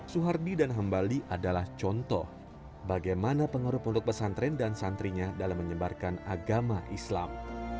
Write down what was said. suhardi dan hambali adalah contoh bagaimana penguruk pondok pesantren dan santrinya dalam menyebarkan agama islam